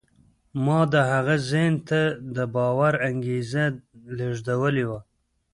ما د هغه ذهن ته د باور انګېزه لېږدولې وه